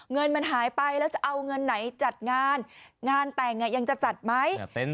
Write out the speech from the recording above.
เงินมันหายไปแล้วจะเอาเงินไหนจัดงานงานแต่งยังจะจัดไหม